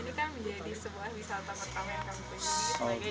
ini kan menjadi sebuah wisata pertama yang kami punya